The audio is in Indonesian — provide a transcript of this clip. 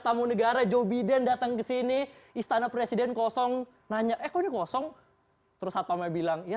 tamu negara jobiden datang ke sini istana presiden kosong nanya ekor kosong terus apa me bilang ya